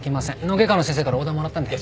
脳外科の先生からオーダーもらったんで。